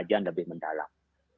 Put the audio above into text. pengkajian lebih mendalam